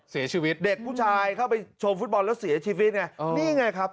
เสียชีวิตเด็กผู้ชายเข้าไปชมฟุตบอลแล้วเสียชีวิตไงนี่ไงครับ